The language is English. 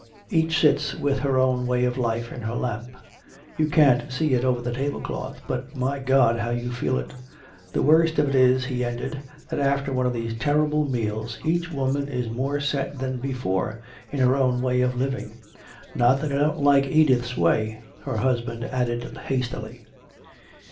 Each sits with her way of life in her lap. You can't see it over the tablecloth, but, my God, how you feel it! The worst of it is," he ended, "that after one of these terrible meals each woman is more set than before in her own way of living. Not that I don't like Edith's way," her husband added hastily.